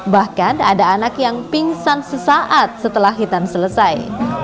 bahkan ada anak yang pingsan sesaat setelah hitan selesai